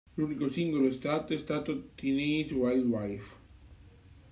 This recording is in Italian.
L'unico singolo estratto è stato "Teenage Wildlife".